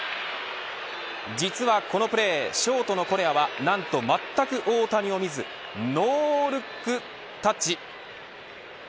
実はこのプレー、ショートのコレアはなんと全く大谷を見ずノールックタッチ。